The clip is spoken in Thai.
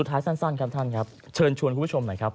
ท้ายสั้นครับท่านครับเชิญชวนคุณผู้ชมหน่อยครับ